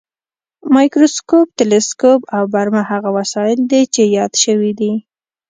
مایکروسکوپ، تلسکوپ او برمه هغه وسایل دي چې یاد شوي دي.